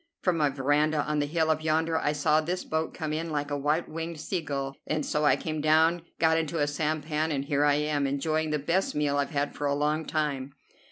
From my veranda on the hill up yonder I saw this boat come in, like a white winged sea gull, and so I came down, got into a sampan, and here I am, enjoying the best meal I've had for a long time.